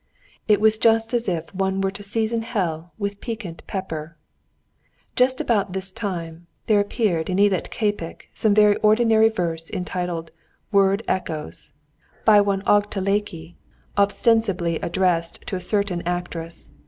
It was just as if one were to season hell with piquant pepper. Just about this time there appeared in Eletképek some very ordinary verses entitled "Word Echoes," by one "Aggteleki," ostensibly addressed to a certain actress.